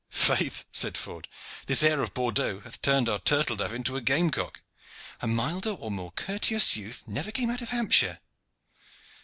"Faith," said Ford, "this air of Bordeaux hath turned our turtle dove into a game cock. A milder or more courteous youth never came out of Hampshire."